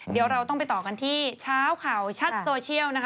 เดี๋ยวเราต้องไปต่อกันที่เช้าข่าวชัดโซเชียลนะคะ